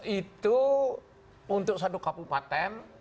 itu untuk satu kabupaten